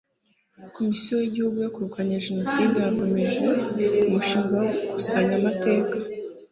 komisiyo y'igihugu yo kurwanya jenoside yanakomeje umushinga wo gukusanya amateka